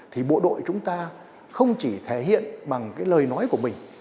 thì bộ đội chúng ta không chỉ thể hiện bằng cái lời nói của mình